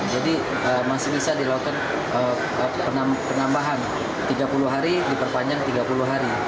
jadi masih bisa dilakukan penambahan tiga puluh hari diperpanjang tiga puluh hari